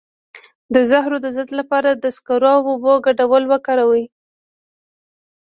د زهرو د ضد لپاره د سکرو او اوبو ګډول وکاروئ